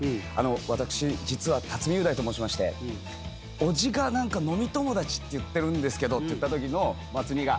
私実は辰巳雄大と申しまして伯父が飲み友達って言ってるんですけどって言ったときの松兄が。